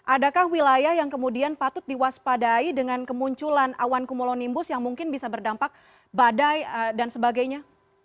adakah wilayah yang kemudian patut diwaspadai dengan kemunculan awan kumulonimbus yang mungkin bisa berdampak badai dan sebagainya